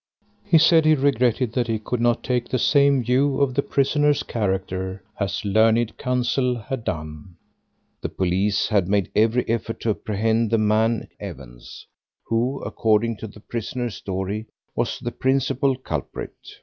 He said he regretted that he could not take the same view of the prisoner's character as learned counsel had done. The police had made every effort to apprehend the man Evans who, according to the prisoner's story, was the principal culprit.